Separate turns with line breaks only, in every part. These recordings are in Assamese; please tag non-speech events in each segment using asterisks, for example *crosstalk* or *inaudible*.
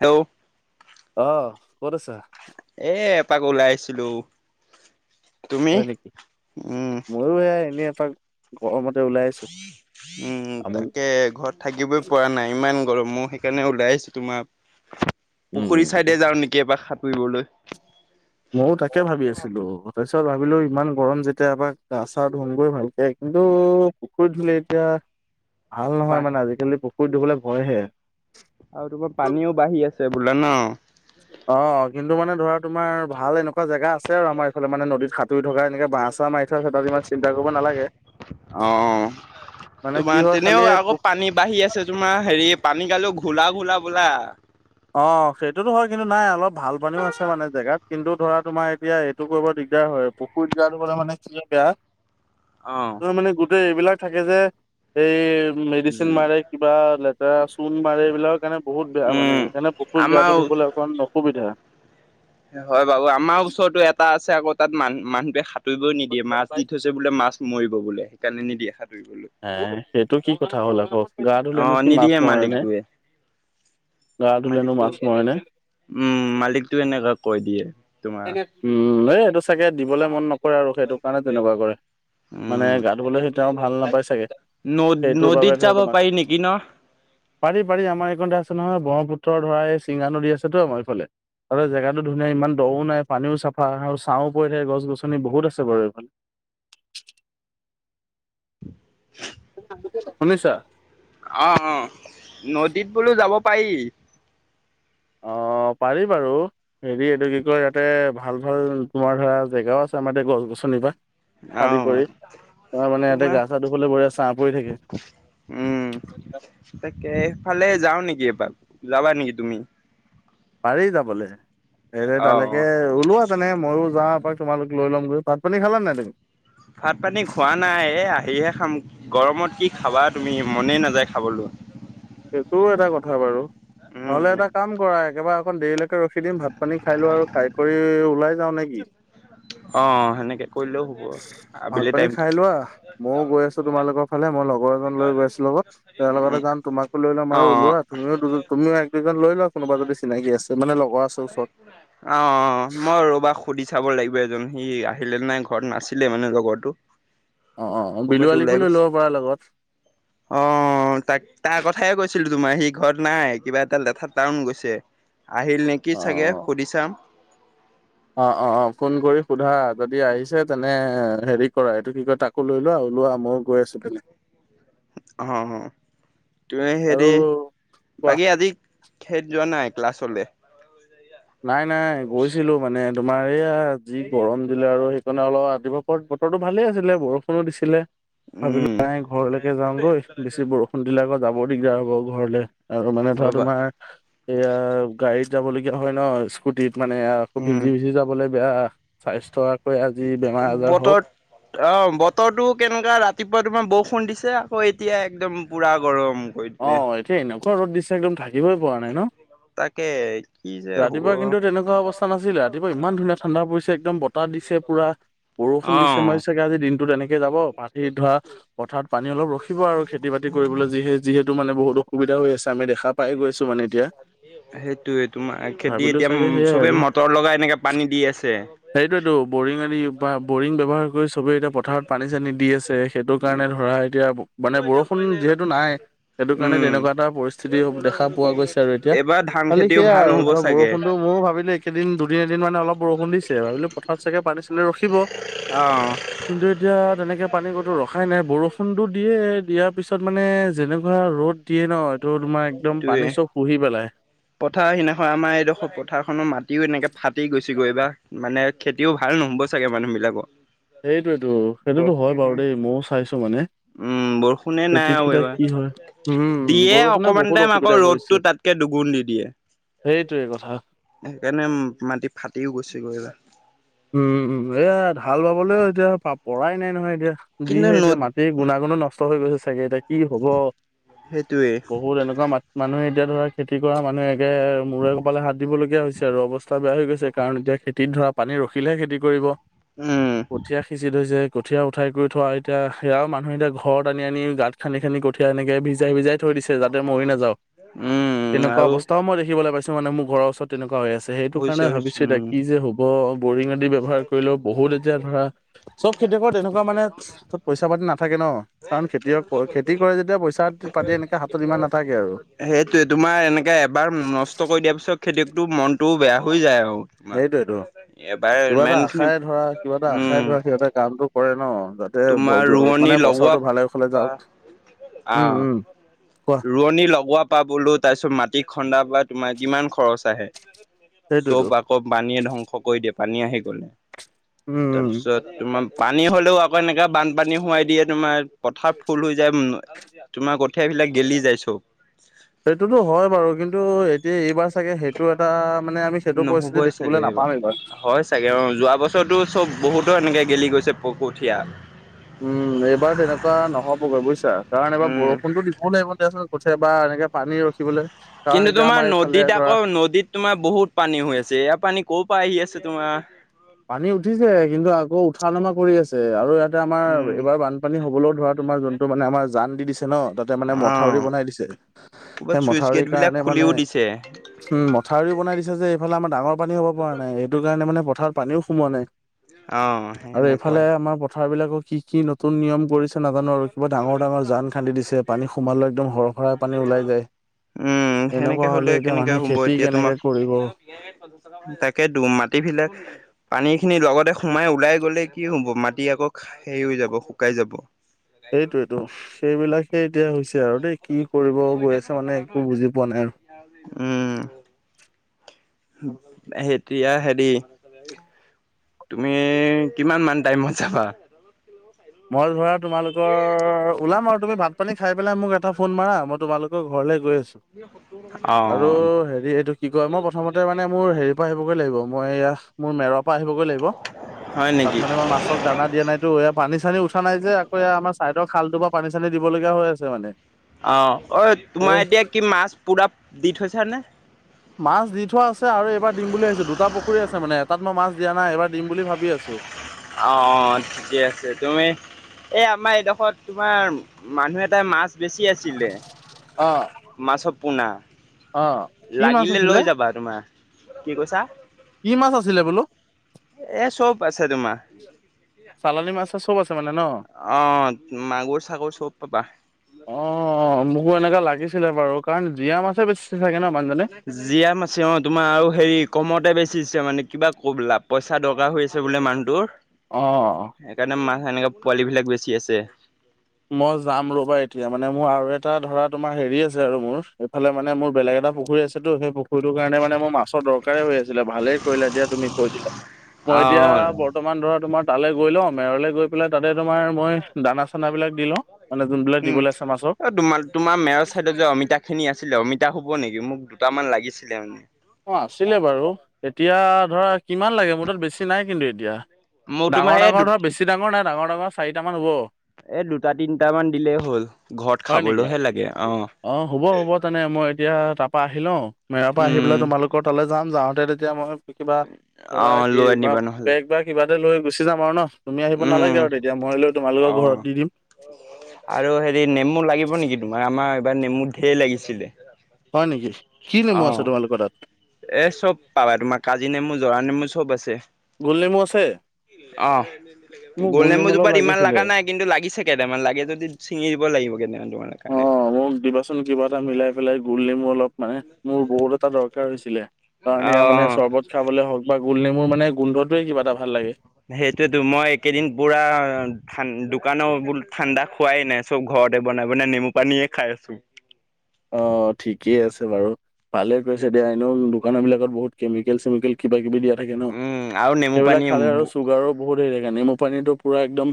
হেল্ল'
অ' ক'ত আছা?
এ এপাক ওলাই আহিছিলোঁ।
হয় নেকি, ময়ো এ এনে এপাক গৰমত।
উম, তাকে ঘৰত থাকিবই পৰা নাই ইমান। গৰম ম সেইকাৰণে ওলাই আহিছো, তোমাৰ পুখুৰী
উম
চাইডে যাওঁ নেকি এবাৰ সাতুৰিব। ফুৰিবলৈ।
মইয়ো তাকে ভাবি আছিলো তথপিছত ভাবিলো ইমান গৰম যেতিয়া এপাক গা চাৰ ধোমগৈ ভাল। কিন্তু, পুখুৰীত ধোলে এতিয়া ভাল নহয়
পান
মানে আজিকালি পুখুৰী। পুখুৰীত ধোবলে ভয় হে।
আৰু তোমাৰ পানীও বাঢ়ি আছে বোলো ন
অ কিন্তু মানে ধৰা তোমাৰ ভাল এনেকুৱা জেগা আছে আৰু আমাৰ এইফালে মানে নদীত সাঁতুৰি থকা এনেকে বাঁহ চাহ মাৰ কাত ইমান চিন্তা কৰিব নালাগে।
অ
মানে কি
তোমাৰ
হয়
তেনেও
খালি এই
আকৌ পানী বাঢ়ি আছে তোমাৰ হেৰি পানী গালেও *unintelligible*
অ সেইটোতো হয় কিন্তু নাই অলপ ভাল পানীও আছে মানে জেগাত কিন্তু ধৰা তোমাৰ এতিয়া এইটো কৰিব াৰ হয় পুখুৰীত গা ধুলে মানে কি বেয়া
অ
ত মানে গোটেই এইবিলাক থাকে যে এই মেডিচিন মাৰে কিবা লেতেৰা চূণ মাৰে এইবিলাকৰ কাৰণে বহুত বেয়া মানে
উম
মানে পুখুৰীত গা
আমাৰ
ধ ধুবলৈ অকণমান অসুবিধা
হয় বাৰু আমাৰ ওচৰতো এটা আছে আকৌ তাত মান মানুহে খ সাতুঁৰিবই নিদিয়ে মাছ দি থৈছে বোলে মাছ মৰিব বোলে সেইকাৰণে নিদিয়ে সাঁতুব
হে সেইটো কি কথা হ'ল আকৌ গা
অ
ধুলেনো কি মাছ
নিদিমে
মৰে নে
মালিকটয়ে
গা ধুলেনো
মালিকটো
মাছ মৰে নে
উম মালিকটো এনেুৱে কৈ দিয়ে তোমাৰ
উম এই এইটো চাগে দিবলে মন নকৰে আৰু সেইটো কাৰণে তেনেকুৱা কৰে মানে
উম
গা ধুবলৈ সেই তেওঁ ভাল নাপাই চাগে
ন
সেইটোৰ বাবে
নদীত
ধৰ
যাব
তোমাক
পাৰি নেকি ন
পাৰি পাৰি আমাৰ এইখন নহয় ব্ৰহ্মপুত্ৰৰ ধৰা এই চিঙা নদী আছেতো আমাৰ এইফালে তাতে জেগাটো ধুনীয়া ইমান দও নাই পানীও চাফা আৰু ছাঁও পৰি থাক গছ গছনি বহুত আছে বাৰু এইফালে *inaudible* শুনিছা
অহ অ নদীত বোলো যাব পাৰি
অ পাৰি বাৰু হেৰি এইটো কি ক ইয়াতে ভাল ভাল তোমাৰ ধৰা জেগাও আছে আমাৰ গছ গছনিৰ পৰাা আদি
আহ
কৰি তমাৰ মানে ইয়াতে
তোমাৰ
গাছা ধু হলে বৈ আছে
উম তাকে এইফালে যাও নেকি এবাৰ যাবা নেকি তুমি
পাৰি যাবলৈ স
অ
তালৈকে
অ
ওলোৱা তেনে মইয়ো যাওঁ তোমালোক লৈ ল' গৈাতান খালা নে তমি
ভাত পানী খোৱা নাই এ আহিহে খাম গৰমত কি খাবা তুমি মনেই নাযায় খাবলৈো
সেইটোও এটা কথা বাৰু
উম
নহলে এটা কাম কৰা একেবাৰে অকন দেৰিলৈকে ত ৰখি দিম ভাত পানী খাই লো আৰু খাই কৰি ওলাই যাও নেকি
অ সেনেকে কৰিলেও হ'ব আৰু
ভাত পানী খাই লোৱা ময়ও গৈ আছো তোমালোকৰ ফালে মই লগৰ এজন লৈ গৈ আছো লগত তেওঁৰ লগতে
উম
যাম তোমাক লৈ ল'ম আৰু
অ
ওলোৱা তুমও দু তুিও এক দুজন লোৱা কোনোবা যদি চিনাকি আছে মানে লগৰ আছে ওচৰত।
অ অ মই ৰ'বা সুধি চাব লাগিব এজন সি আহিলে নাই ঘৰত নাছিলে মানে জগৰটোো
অ', অ', বিলু
ক'বাতাত
আলিকো
ওলাই
লৈ
গৈছ
ল'ব পাৰা লগত
আহ তাক তাৰ কথাইে কৈছিলো তোমাৰ সি ঘৰত নাই কিবা এটা লেঠ টাউন গৈছে আহিল কি
অ',
চাগে
অ'।
সুধি চাম
অ অ অ ফোন কৰি সোধা যদি আহিছে তেনে হেৰি কৰা এইটো কি কয় তাকো লৈ লোৱা ওলোৱা ময়ো গৈ আছো প
অ অ তুম
আৰু
হেৰি
কোৱা।
বাকী আজি খেত যোৱা নাই ক্লাছলৈ
নাই নাই গৈছিলো মানে তোমাৰ এইয়া যি গৰম দিলে আৰু সেই সকাৰণে অলপ আদিবাসত বতৰো ভালে আছিলে বৰষুণো দিছিলে ভাবিলো
উম
তাই ঘৰলৈকে যাওঁগৈ বেছি বৰষুণ দিলে আকৌ যাবৰ দিগদাৰ হ'ব ঘৰলে আৰু মানে ধৰা
হয় বা
তোমাৰ এয়া গাড়ীত যাবলগীয়া হয় ন স্কুটিত মানে আকৌ
উম
ভিজি ভিজি যাবলৈ বেয়া স্বাস্থ্য আজি বেমাৰ আজাৰ হওক
বতৰ অ বতৰটো কেনেকুৱা ৰাতি ৰাতিপুৱা তোমাৰ বৰষুণ দিছে আকৌ এতিয়া একদম পূৰা গৰম কৰি
অ
দিলে।
এতিয়া এনেকুৱা ৰ'দ দিছে একদম থাকিবই পৰা নাই ন
তাকে কি যে হ'ব
ৰাতিপুৱা কিন্তু তেনেকুৱা অৱস্থা নাছিল ৰাতিপুৱা ইমান ধুনীয়া ঠাণ্ডা পৰিছে একদম বতাহ দিছে পুৰা বষ শু দি মই
অ
চাগেজি দিনটো তেনেে যাব পাতি ধোৱা পথাৰত পানী অলপ ৰখিব আৰু খেতি বাতি কৰিবলৈ যি সেই যিহেতুানে বহুতসুবিধা আছে আমি দেখা পাই গৈছো মানে এতিয়া
সেইটোে তোমাৰ খেতি
ভাবিলো
এতিয়া
চাগে সেয়াই
চবে মটৰ লগাই ন এনেকে পানী দি আছে
সেইটোটো বৰিং আদি বা বৰিং ব্যৱহাৰ কৰি চবে এতিয়া পথাৰত পানী চানী দি আছে সেইটো কাৰণে ধৰা আহ এতিয়া মানে বৰষুণ যিহেতু নাই সেইটো কাৰণে
উম,
তেনেকুৱা এটা পৰিস্থিতি দেখা পোৱা গৈছে আৰু এতিয়া
এইবাৰ ধান
খালি
খেতিও
সেয়া
ভাল
আৰু
নহ'ব
ধৰা
চাগে।
বৰষুণটো ময়ো ভাবিলো একেদিন দুদিন এদিন মান অল বৰুণ দিছে ভাবিলো পথাৰ চাগে পছিলে ৰখিব
অ
কিন্তু এতিয়া তেনেকে পানী কতো ৰখাই নাই বৰষ ফোনটো দিয়ে দিয়াৰ পিছত মানে যেনেকুৱা ৰ'দ দিয়ে ন এইটো তোমাৰ একদম পানী
সেইটোয়ে
চব শুহি পেলাই
পথাৰ সিদিনাখন আমাৰ এইডোখৰ পথাৰখনৰ মাট খেতিও এনেকে ফাটি গৈছেগৈ বা মানে খেতিও ভাল নহ'ব চাগে মানুহবিলাকৰ
সেইটোটো সেইটোতো হয় বাৰু দেই ময়ও চাইছো মানে
উম বৰষুণে
খেতিটো
নাই আৰু
এতিয়া
এইবাৰ
কি হয় উম
দিয়ে
বৰষুণে
অকমান
বহুত
আকৌ
অসুবিধা কৰিছে
ৰ'দতটো তাতকে দুগুণ দি দিয়ে
সেইটোৱে কথা
সেইকাৰণে মাটি ফাটিও গৈছে গৈ এইবাৰ।
উম উ এয়া ভাল পাবলৈও এতিয়া পৰাই নাই নহয় এতিয়া। যি
কিন্তু
হয়ে এতিয়া
নদ
মাটিৰ গুণাগুণো নষ্ট হৈ গৈছে চাগে ত। কি হব
সেইটোৱে
বহুত এনেকুৱা মা মানুহে এতিয়া ধৰা খেতি কৰা মানুহে। মূৰে কপালে হাত দিবলগীয়া হৈছে আৰু অৱস্থা বেয়া হৈ গৈছে কাৰণ এতিয়া খেতিত ধৰা পানী ৰখে- বিলহে খেতি কৰিব
উম,
কঠীয়া সিঁচি থৈছে- কঠীয়া উঠাই কৰি থোৱা এতিয়া সেয়াও মানুহ এতিয়া ঘৰত আনি আনি গাঁত খান্দি খান্দি কঠীয়া এনেকে ভিজাই ভিজাই। থৈ দিছে যাতে মৰি নাযাও
উম,
তেনেকুৱা
আৰু
অৱস্থাও মই দেখিব পাইছো মানে মোৰ ঘৰৰ ওচৰত তেনেকুৱা- হৈ আছে সেইটো কাৰণে
হৈছে হৈছে
ভাবিছো এতিয়া
উম
কি যে হ'ব বৰিঙ। ব্যৱহাৰ কৰিলেও বহুত এতিয়া ধৰা চব খেতিয়কৰ তেনেকুৱা মানে পইচা পাতি নাথাকে ন। কাৰণ খেতিয়ক খেতি কৰে যেতিয়া পইচা পাতি এনেকে হাতত ইমান নাথাকে আৰু-
সেইটোয়ে তোমাৰ এনেকে এবাৰ নষ্ট কৰি দিয়াৰ পিছত খেতি- টো মনটোও বেয়া হৈ যায় আৰু তোমাৰ
সেইটোৱেটো
এবাৰ।
কিবা এটা
ইমান খিনি
আশাই ধৰা কিবা এটা আশাই
উম
ধৰা সিহঁতে কামটো কৰে ন। তাতে ব
তোমাৰ
বিহু
ৰোৱনী
মানে
লগোৱা
বছৰটো ভালে হলে
বা
যাওক উম
আহ
উম। কোৱা
ৰোৱনী লগোৱা প বলো তাৰ পিছত মাটি খন্দা পৰা তোমাৰ কিমান খৰচ আহে- চব
সেইটোতো
আকৌ পানীয়ে ধ্বংস কৰি দিয়ে পানী আহি গলে।
উম উম
তাৰপিছত তোমাৰ পানী হ'লেও আকৌ এনেকা বানপানী সোৱাই দিয়ে তোমাৰ। পথাৰ ফুল হৈ যায় তোমাৰ কঠিয় বিলাক গেলি যাই চব।
সেইটোতো হয় বাৰু কিন্তু এতিয়া এইবাৰ- চাগে সেইটো এটা মানে আমি সেইটো পৰিস্থিতি
নহবই চাগে
দেখিবলৈ নাপাম
এইবাৰ হয় চাগে অ যোৱা বছৰতৰতো চব বহুত। এনেকে গেলি গৈছে প কঠীয়া।
উম এইবাৰ তেনেকুৱা নহ'বগৈ বুজিছা কাৰণ এবাৰ
উম।
বৰষুণতো দিব লাগিবয়া। উঠে বা এনেকে পানী ৰখিবলৈ- কাৰণ
কিন্তু
এতিয়া আমাৰ
তোমাৰ
এইফালে
নদীত
ধৰা
আকৌ নদীত তোমাৰ বহুত পানী হৈ আছে ইয়াাৰ পানী- কৰ পাই আহি আছে তোমাৰ-
পানী উঠিছে কিন্তু আকৌ উঠা নমা কৰি আছে আৰু ইয়াত- আমাৰ
উম
এইবাৰ বানপানী হ'বলৈও ধৰা তোমাৰ যোনটো মানে আমাৰ- জান দি দিছে ন তাতে মানে
অ
মথাউৰি বনাই দিছে
ক'ৰবাত
সেই
চুইচ
মথাউৰি
গেট বিলাক
কাৰণে
খুলিও
মানে-
দিছে।
উম মথাউৰিও বনাই দিছে যে এইফালে আমাৰ ডঙৰ পানী হব পৰা নাই সেইটো কাৰণে মানে পথাৰত পানীও সোমোৱা নাই।
অ
আৰু এইফালে
সেনেকুৱাই
আমাৰ পথাৰ বিলাকৰ কি কি নতুন নিয়ম কৰিছে। নাজানো আৰু কিবা ডাঙৰ ডাঙৰ জান খান্দি দিছে পানী সোমালে একদমৰহৰা পানী ওলাই যায়।
উম
এনেকুৱা
সেনেকে হলে
এতিয়া
কেনেকে
মানুহে
হব
খেতি
এতিয়া
কেনেকে
তোমাক
কৰিব
তাকে দি মাতি। এইবিলাক- পানী খিনি লগতে সোমাই ওলাই গলে কি হব মাটি আকৌ হেৰি হৈ যাব শুকাই যাব।
সেইটোয়েতো সেইবিলাকে এতিয়া হৈছে- আৰু দেই কি কৰিব গৈ আছে মানে একো বুজি পোৱা নাই আৰু-
উম এতিয়া হেৰি- তুমি কিমান মান টাইমত যাবা।
মই ধৰা তোমালোকৰ ওলাম আৰু তুমি ভাত পানী খাই পেলাই মোক এটা ফোন মাৰ মই - তোমালোকৰ ঘৰলৈ- গৈ আছোঁ আৰু
অ'।
হেৰি এইটো কি কয় মই প্ৰথমতে মানে মোৰ হেৰিৰ পৰা আহিবগৈ লাগিব। মই মোৰ মেৰৰ পৰা আহিবগৈ লাগিব
হয়
তাত
নেকি?
মানে মই মাছক দানা দিয়া নাইতো এ- চানী উঠা নাই যে আকৌ আমাৰ চাইডৰ খালটো পৰা পানী চানী দিবলগীয়া হৈ আছে মানে-
অ অ
এ
তোমাৰ এতিয়া কি মাছ পুৰা দি থৈছা নে-
মাছ দি থোৱা আছে আৰু এইবাৰ দিম বুলি ভাবছো দুটা পুখুৰী আছে মানে এটাত - মই মাছ দিয়া নাই এবাৰ দিম বুলি ভাবি আছো।
অ অ ঠিকে আছে তুমি- এ আমাৰ এইডোখৰত তোমাৰ মানুহ এটাই মাছ- বেছি আছিলে
অ'।
মাছৰ পোনা-
অ', কি মাছ
লাগিলে
আছিলে
লৈ যাবা তোমাৰ কি কৈছা?
*inaudible* কি মাছ আছিলে বোলো
এ চব আছে তোমাৰ
চালানি মাছা- চাচ চব আছে মানে? ন?
আহ, মাগুৰ - চাগৰ চব পাবা।
মোক এনেকুৱা লাগিছিলে বাৰু, কাৰণ জীয়া মাছে বেছি চাগে ন মানুহজনে
জীয়া মাছে অ, তোমাৰ আৰু হেৰি কমতে বেচিছে মানে কিবা *inaudible* বোলা পইচা দৰকাৰ হৈ আছে বোলে মানুহ তোৰ
অ'।
সেইকাৰণে মানুহ সেনেকে পোৱালি বিলাক বেছি আছে
মই যাম ৰ'বা এতিয়া, মানে মোৰ আৰু এটা ধৰা তোমাৰ হেৰি আছে আৰু মোৰ এইফালে মানে মোৰ বেলেগ এটা পুখুৰী আছেটো সেই পুখুৰীটো কাৰণে মানে মোৰ মাছৰ দৰকাৰে হৈ আছিলে, ভালেই কৰিলা দিয়া তুমি কৈ দিলা মই এতিয়া
অ',
বৰ্তমান ধৰা তোমাৰ তালৈ গৈ লওঁ, মেৰলে গৈ পেলাই তাতে তোমাৰ মই দানা - চানা বিলাক দি লওঁ মানে যোনবিলাক
উম,
দিবলৈ আছে মাছক
অ তোমাৰ - তোমাৰ মেৰৰ চাইডত যে অমিতাখিনি আছিলে অমিতা এতিয়া হব নেকি, মোক দুটামান লাগিছিলে মানে?
অ আছিলে, বাৰু এতিয়া ধৰা কিমান লাগে মোৰ তাত বেছি নাই কিন্তু এতিয়া?
মোৰ তোমাৰ
ডাঙৰ -
এই দু
ডাঙৰ বেছি ডাঙৰ নাই ডাঙৰ - ডাঙৰ চাৰিটা মান হ'ব।
এ দুটা তিনটা মান দিলেই হ'ল, ঘৰত
হয় নেকি?
খাবলৈহে লাগে অ।
অ হ'ব - হ'ব। তেনে মই এতিয়া, তাৰপৰা আহি লওঁ মেৰাৰ পৰা আহি
উম,
পেলাই *inaudible* যাম। যাওঁতে তেতিয়া মই কিবা
অ', লৈ আনিবা
*inaudible*
নহ'লে
বেগ বা কিবা লৈ গুচি যাম আৰু নহ, তুমি আহিব
উম,
নালাগে আৰু তেতিয়া। মই লৈ তোমালোকৰ
অ
ঘৰত দি দিম
আৰু হেৰি নেমু লাগিব নেকি তোমাৰ আমাৰ এইবাৰ নেমু ঢেৰ লাগিছিলে?
হয় নেকি কি নেমু
অ,
আছে তোমালোকৰ তাত
এ চব পাবা তোমাৰ কাজি নেমু, জৰা নেমু, চব আছে।
গোল নেমু আছে?
আহ
মোক
গোল নেমু
অলপ
জোপাত ইমান
লাগিছিলে
লগা নাই কিন্তু, লাগিছে কেইটামান, লাগে যদি ছিঙি দিব লাগিব কেইটামান। তোমাৰ
অ,
কাৰণে।
মোক দিবাচোন কিবা এটা মিলাই পেলাই গোল নেমু অলপ মানে। মোৰ বহুত এটা দৰকাৰ হৈছিলে কাৰণ, ইাৰ মানে
অ',
চৰ্বত খাবলৈ হওক বা গোল নেমুৰ মানে গোন্ধত
*inaudible* সেইটোয়েতো মই এই কেইদিন পুৰা দোকানৰ বো ঠাণ্ডা খোৱাই নাই, চব ঘৰতে বনাই -বনাই নেমু পানীয়েে খাই আছো।
অ', ঠিকেই আছে বাৰু ভালে কৰিছা দিয়া এনেও দোকান বিলাকত বহুত কেমিকেল চেমিকেল কিবা কিবি দিয়া থাকে ন।
উম, আৰু নেমু
সেইবিলাক
পানী
খালে আৰু চোগাৰৰ বহুত হে থাকে নেমু পানীটো পুৰা একদম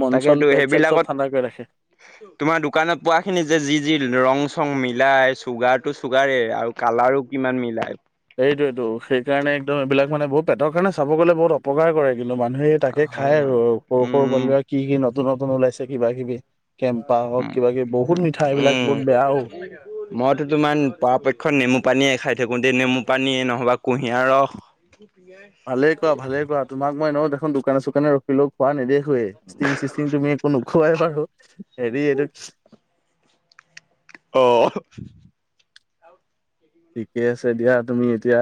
মন
তাকে
চন
তো
পেট চেট চব
সেইবিলাকত
ঠাণ্ডা কৰি ৰাখে।
*inaudible* তোমাৰ দোকানত পোৱা খিনি যে যি যি ৰং চং মিলাই চুগাৰ টো চুগাৰেই, আৰু কালাৰো কিমান মিলাই
সেইটোৱেটো, সেইকাৰণে একদম এইবিলাক মানে বহুত পেটৰ কাৰণে চাব গ'লে বহুত অপকাৰ কৰে। মানুহে তাকে
হয়
খাই আৰু
বাৰু
সৰু সৰু
উম।
পালি কি কি নতুন নতুন ওলাইছে কিবা- কিবি কেম্পা হওক কিবা- কিবি বহুত মিঠাই এইবিলাক
উম,
বহুত বেয়া অ'।
মইতো তোমমান পৰাপক্ষত নেমু পানীয়ে খাই থাকো থাকোতে নেমু পানী নহ'বা, কুঁহিয়াৰ ৰস
ভালেই কৰা, ভালেই কৰা, তোমাক মই এনেইও দেখোন দোকানে - চোকানে ৰখিলো খোৱা ননেদেখোঁ য়ে, ষ্টিং - চিষ্টিং তুমি একো নোখোৱাই বাৰু হেৰি এইটো
আহ
ঠিকে আছে দিয়া, তুমি এতিয়া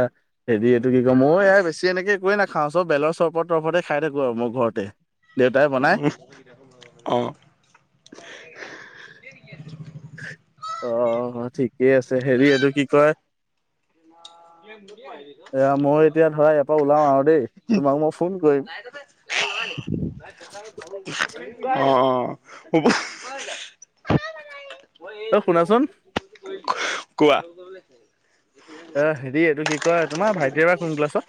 হেৰি এইটো কি ক মই বেছি এনেকে একে নাখাওঁ খাওঁ চ বেলৰ চৰপত - তৰপতে খাই থাকো আৰু মই ঘৰতে দেউতাই বনাই
অঁ
অ- অ, ঠিকেই আছে। হেৰি এইটো কি কয়
*unintelligible*
এয়া, মই এতিয়া ধৰা ইয়াৰ পৰা ওলাও আৰু দেই, তোমাক মই ফোন কৰিম
*unintelligible* অ-অ
অ, শুনাচোন?
কোৱা?
*inaudible* কয় তোমাৰ ভাইটি এবাৰ কোন ক্লাছত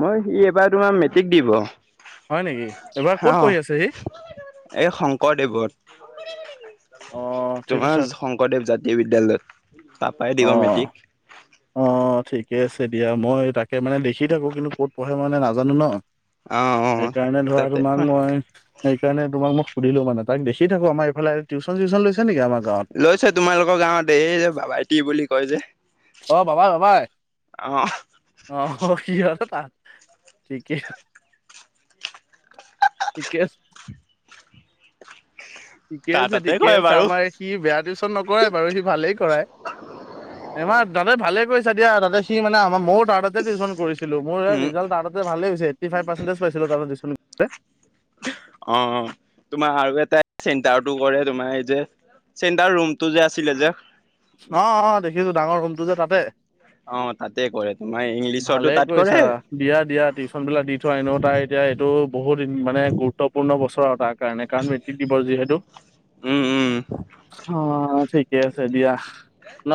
মই সি এবাৰ তোমাৰ মেট্ৰিক দিব।
হয় নেকি এইবাৰ
হ
ক'ত পঢ়ি আছে সি
এই শংকৰদেৱৰ
অ, ঠিক আছে
তোমাৰ শংকৰদেৱ জাতীয় বিদ্যালয়ত তাৰাপই
অ
দিব মেট্ৰিক
অ, ঠিকে আছে দিয়া। মই তাকে মানে লিখি থাকো কিন্তু ক'ত পঢ়ে মানে নাজানো ন
অ', অ'।
সেইকাৰণে ধৰা
তাতে
তোমাক মই সেইকাৰণে তোমাক মোক সুধিলো মান ত দেখি থাক আমাৰফাল *unintelligible* চিন লছে
লৈছ তোমালোকৰ গাঁৱত এই যে বাবাইটি বুলি কয় যে
অ, বাবাই-বাবাই
অ',
অ কিছে তাত ঠিকেই ঠিকে আছে। ঠিকে
তাৰ
আছে।
তাতে
ঠিকে
কৰে
আছে।
বাৰু
আমাৰ সি বেয়া টিউশন নকৰাই বাৰু সি ভালেই কৰায়। এইমাৰ দাদাতে ভালে কৰিছা দিয়া, দাদতে সি মানে আমাৰ ম ত, টউ কৰিছিলো মোৰ
উম,
ত ভাল হৈছেট ফভ পাৰ্চজ পাই।
অ, তোমাৰ আৰু এটাই চিন্তাটো কৰে তোমাৰ এই যে চেণ্টাৰ ৰুমতটো যে আছিলে যে
অ-অ দেখিছো ডাঙৰ ৰুমটো যে তাতে
অ', তাতে কৰে তোমাৰ ইংলিছৰটো
ভালে
তাত কৰে
কৈছা দিয়া-দিয়া টিউশচন বিলাক দি থোৱা আনো তাই এতিয়া এইটো বহুতদিন মানে গুৰুত্বপূৰ্ণ বছৰৰ তাক কাৰণে কাৰণ মেট্ৰিক দিৱস যিহেতু
উম, উম,
অ ঠিকে আছে দিয়া। ন,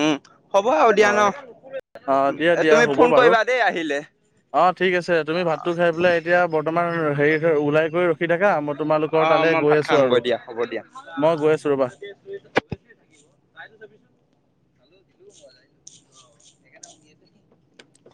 উম। হ'ব আৰু
অ
দিয়া ন
অ, দিয়া দিয়া
তুমি
হ'ব
ফোন
বাৰু
কৰিবা দেই আহিলে।
অ, ঠিক আছে। তুমি ভাতটো খাই পেলাই এতিয়া বৰ্তমান হেৰি ওলাই কৰি ৰখি থাকা মই তোমালোকৰ
আহ
তালৈ
মই
গৈ
ভাত
আছো আৰু
খাামগৈ দিয়া হ'ব দিয়া
মই গৈ আছো ৰ'বা
*inaudible*
*inaudible*
*inaudible*